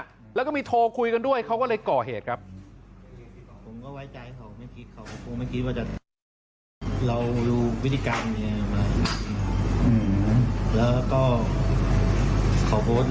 ก็เรื่องผิดสัตว์คือมันคิดตอนนั้นเลยแล้วก็เขาไปทำเลยนะครับ